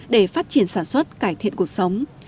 để phát triển sản xuất cải thiện cuộc sống